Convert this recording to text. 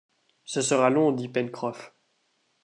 Ce sera long dit Pencroff.